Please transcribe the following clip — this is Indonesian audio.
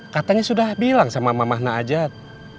katanya sudah bilang sama namah over